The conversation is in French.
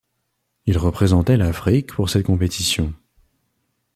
Il représentait l'Afrique pour cette compétition.